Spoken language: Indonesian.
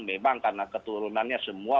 memang karena keturunannya semua